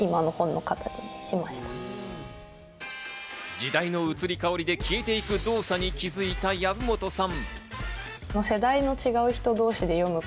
時代の移り変わりで消えていく動作に気づいた藪本さん。